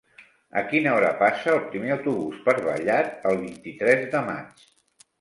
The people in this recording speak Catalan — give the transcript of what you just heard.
A quina hora passa el primer autobús per Vallat el vint-i-tres de maig?